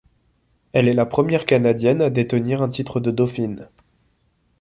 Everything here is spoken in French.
Elle est la première canadienne à détenir un titre de dauphine.